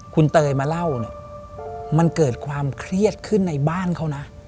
คุณเตยมาเล่าเนี่ยมันเกิดความเครียดขึ้นในบ้านเขานะ